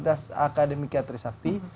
dan akademik yang terisakti